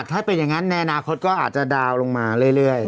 ถ้าเป็นอย่างนั้นในอนาคตก็อาจจะดาวน์ลงมาเรื่อย